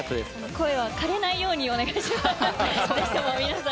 声はかれないようにお願いします。